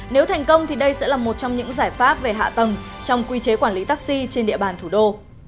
nếu thành công thì đây sẽ là một trong những giải pháp về hạ tầng trong quy chế quản lý taxi trên địa bàn thủ đô